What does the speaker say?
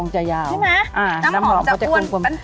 ใช่น้ำหอมเค้าจะป้วนแป้น